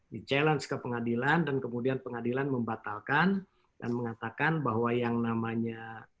di challenge ke pengadilan dan kemudian pengadilan membatalkan dan mengatakan bahwa yang namanya